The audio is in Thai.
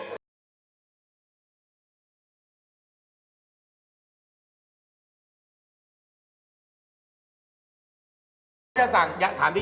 ถามที่ยายขายอะไร